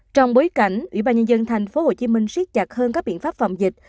trong bối cảnh ubnd tp hcm siết chặt hơn các biện pháp phòng dịch